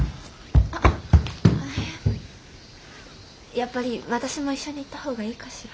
やっぱり私も一緒に行った方がいいかしら。